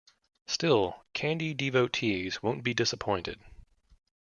Still, "Candy" devotees won't be disappointed.